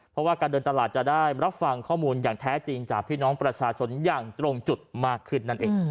เพราะว่าการเดินตลาดจะได้รับฟังข้อมูลอย่างแท้จริงจากพี่น้องประชาชนอย่างตรงจุดมากขึ้นนั่นเอง